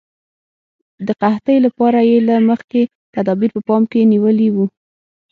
د قحطۍ لپاره یې له مخکې تدابیر په پام کې نیولي وو.